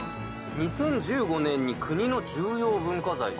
２０１５年に国の重要文化財に。